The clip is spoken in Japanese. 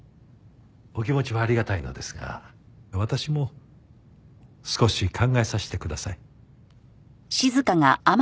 お気持ちはありがたいのですが私も少し考えさせてください。